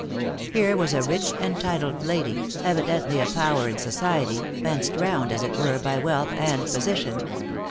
Here was a rich and titled lady, evidently a power in society, fenced round, as it were, by wealth and position.